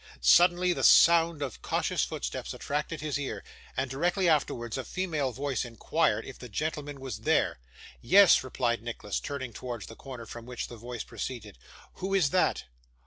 Suddenly the sound of cautious footsteps attracted his ear, and directly afterwards a female voice inquired if the gentleman was there. 'Yes,' replied Nicholas, turning towards the corner from which the voice proceeded. 'Who is that?